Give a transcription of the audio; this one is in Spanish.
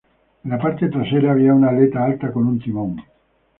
En la parte trasera había una aleta alta con un timón.